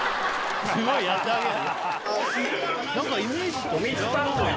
すごいやってあげんだ。